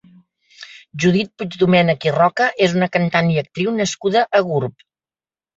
Judit Puigdomènech i Roca és una cantant i actriu nascuda a Gurb.